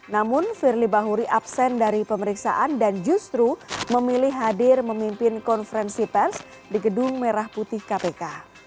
namun firly bahuri absen dari pemeriksaan dan justru memilih hadir memimpin konferensi pers di gedung merah putih kpk